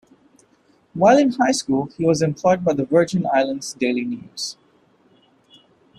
While in high school he was employed by the Virgin Islands Daily News.